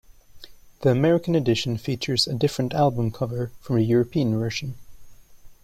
The American edition features a different album cover from the European version.